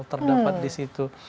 terdapat di situ